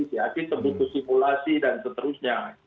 jadi terbentuk simulasi dan seterusnya